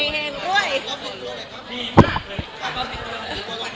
หาทุก